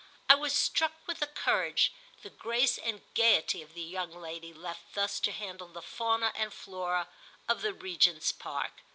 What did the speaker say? I was struck with the courage, the grace and gaiety of the young lady left thus to handle the fauna and flora of the Regent's Park.